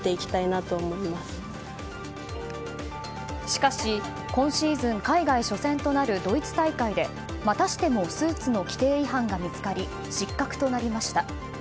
しかし、今シーズン海外初戦となるドイツ大会でまたしてもスーツの規定違反が見つかり失格となりました。